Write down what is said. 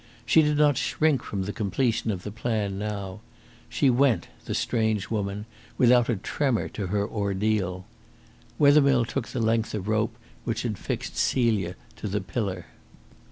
She did not shrink from the completion of the plan now. She went, the strange woman, without a tremor to her ordeal. Wethermill took the length of rope which had fixed Celia to the pillar.